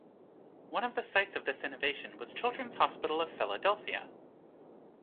One of the sites of this innovation was Children's Hospital of Philadelphia.